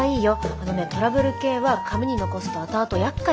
あのねトラブル系は紙に残すとあとあとやっかいになるから。